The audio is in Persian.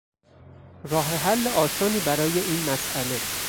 راه حل آسانی برای این مسئله